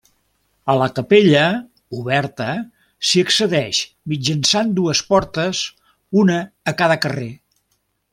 A la capella, oberta, s'hi accedeix, mitjançant dues portes, una a cada carrer.